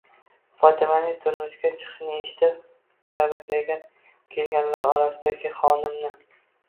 Fotimaning turmushga chiqishini eshitib, tabriklagani kelganlar orasidagi Xonimni